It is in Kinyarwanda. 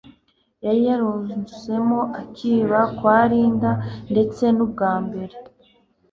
yari yaranyuzemo akiba kwa Linda ndetse nubwambere